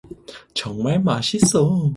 정말 맛있어.